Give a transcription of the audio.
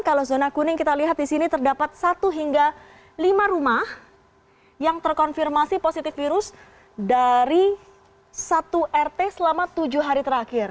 kalau zona kuning kita lihat di sini terdapat satu hingga lima rumah yang terkonfirmasi positif virus dari satu rt selama tujuh hari terakhir